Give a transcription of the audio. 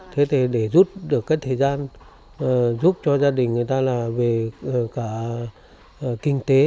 thế thì để rút được cái thời gian giúp cho gia đình người ta là về cả kinh tế